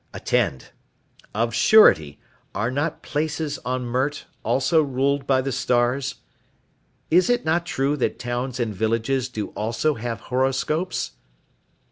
Attend. Of surety, are not places on Mert also ruled by the stars? Is it not true that towns and villages do also have horoscopes?"